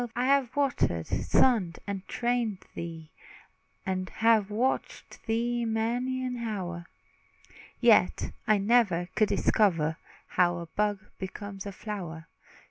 I have watered, sunned, and trained thee, And have watched thee many an hour, Yet I never could discover How a bud becomes a flower.